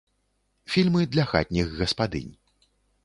Фільмы для хатніх гаспадынь.